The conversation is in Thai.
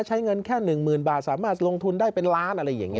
ใช้เงินแค่๑๐๐๐บาทสามารถลงทุนได้เป็นล้านอะไรอย่างนี้